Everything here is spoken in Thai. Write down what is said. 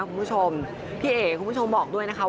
คุณผู้ชมพี่เอ๋คุณผู้ชมบอกด้วยนะคะ